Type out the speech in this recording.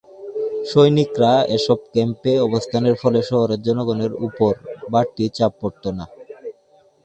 সৈনিকরা এসব ক্যাম্পে অবস্থানের ফলে শহরের জনগণের উপর বাড়তি চাপ পড়ত না।